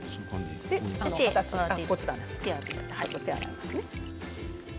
手を洗いますね。